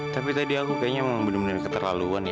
tapi tadi aku kayaknya emang bener bener keterlaluan ya